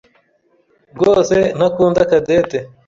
rwose ntakunda Cadette.